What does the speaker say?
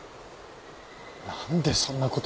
なんでそんな事。